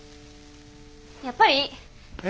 やっぱりいい。え？